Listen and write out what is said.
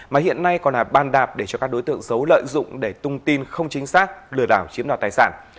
mà hiện nay còn là ban đạp để cho các đối tượng xấu lợi dụng để tung tin không chính xác lừa đảo chiếm đoạt tài sản